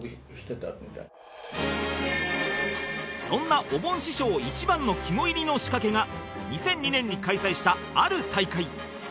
そんなおぼん師匠一番の肝煎りの仕掛けが２００２年に開催したある大会